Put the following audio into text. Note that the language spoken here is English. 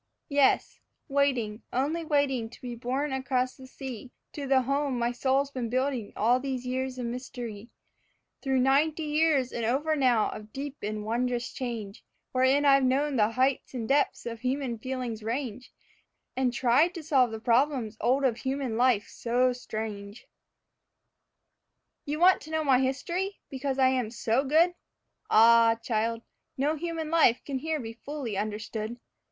"Yes waiting, only waiting to be borne across the sea, To the home my soul's been building all these years of mystery, Through ninety years and over now of deep and wondrous change, Wherein I've known the heights and depths of human feeling's range, And tried to solve the problems old of human life so strange. You want to know my history, because I am so good? Ah, child, no human life can here be fully understood.